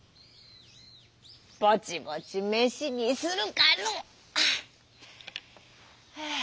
「ぼちぼちめしにするかの。はあ」。